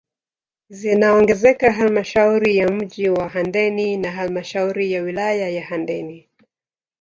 Zinaongezeka halmashauri ya mji wa Handeni na halmashauri ya wilaya ya Handeni